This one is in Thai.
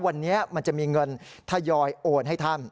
วันนี้มันจะมีเงินทยอยโอนให้ท่าน